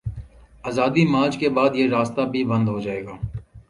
آزادی مارچ کے بعد، یہ راستہ بھی بند ہو جائے گا۔